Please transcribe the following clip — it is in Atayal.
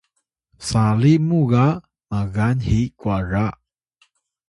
sali muw ga magan hi kwara